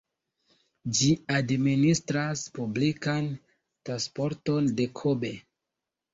Ĝi administras publikan transporton de Kobe.